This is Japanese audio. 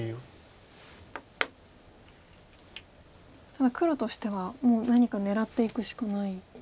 ただ黒としてはもう何か狙っていくしかない。